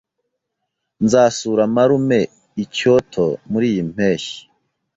Nzasura marume i Kyoto muriyi mpeshyi.